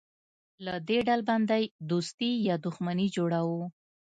له دې ډلبندۍ دوستي یا دښمني جوړوو.